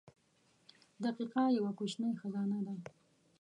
• دقیقه یوه کوچنۍ خزانه ده.